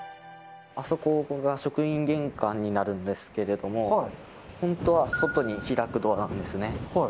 あそこが職員玄関になるんですけれども、本当は外に開くドアなんですね。